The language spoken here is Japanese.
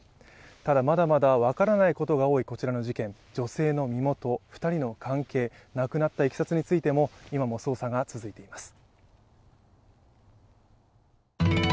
ただ、まだまだ分からないことが多いこの事件、女性の身元、２人の関係、亡くなったいきさつについても今も捜査が続いています。